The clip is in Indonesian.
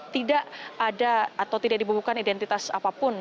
tidak ada atau tidak dibubuhkan identitas apapun